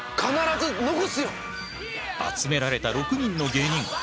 集められた６人の芸人。